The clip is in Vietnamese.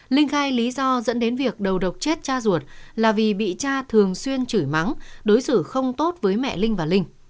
linh khai lý do dẫn đến việc đầu độc chết cha ruột là vì bị cha thường xuyên chửi mắng đối xử không tốt với mẹ linh và linh